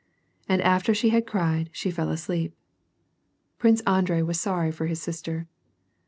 And after she had cried, she fell asleep. Prince Andrei was sorry for his sister.